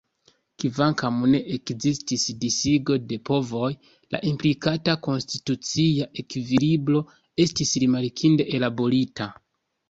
Kvankam ne ekzistis disigo de povoj, la implikita konstitucia ekvilibro estis rimarkinde ellaborita.